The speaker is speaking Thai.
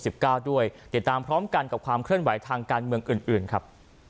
เดี๋ยวตามพร้อมกันกับความเคลื่อนไหวทางการเมืองอื่นครับ